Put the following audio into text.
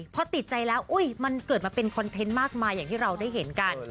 พอติดใจแล้วมันเกิดมาเป็นคอนเทนต์มากมายอย่างที่เราได้เห็นกัน